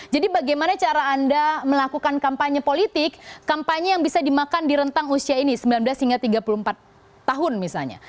jadi bagaimana cara anda melakukan kampanye politik kampanye yang bisa dimakan di rentang usia ini sembilan belas hingga tiga puluh empat tahun misalnya